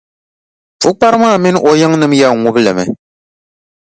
Pukpara maa mini o yiŋnima yɛn ŋubi li mi.